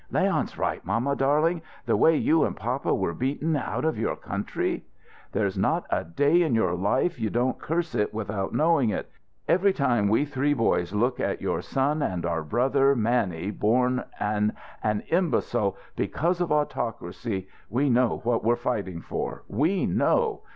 "Leon's right, mamma darling, the way you and papa were beaten out of your country " "There's not a day in your life you don't curse it without knowing it! Every time we three boys look at your son and our brother Mannie, born an an imbecile because of autocracy, we know what we're fighting for. We know.